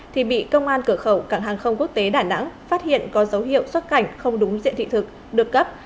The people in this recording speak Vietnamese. thì bị công an cửa khẩu cảng hàng không quốc tế đà nẵng phát hiện có dấu hiệu xuất cảnh không đúng diện thị thực được cấp